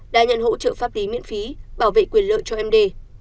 đã nhận hỗ trợ pháp tí miễn phí bảo vệ quyền lợi cho md